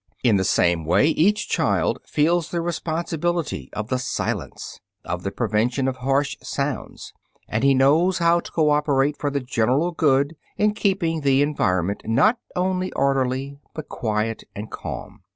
In the same way each child feels the responsibility of the "silence," of the prevention of harsh sounds, and he knows how to cooperate for the general good in keeping the environment, not only orderly, but quiet and calm.